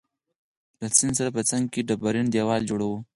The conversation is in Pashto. له سیند سره په څنګ کي ډبرین دیوال جوړ وو.